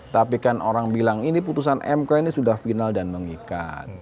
tapi kan orang bilang ini putusan mk ini sudah final dan mengikat